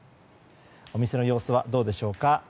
お店の様子はどうでしょうか。